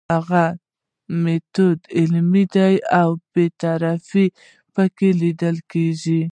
د هغه میتود علمي دی او بې طرفي پکې لیدل کیږي.